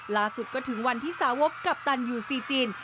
ล่าสุดก็ถึงวันที่สาวกกัปตันยูซีจิน